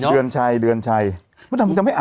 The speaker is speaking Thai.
เดือนไชเดือนไชเดือนไช